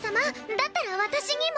だったら私にも！